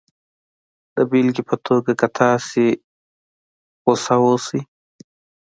د بېلګې په توګه که تاسې غسه اوسئ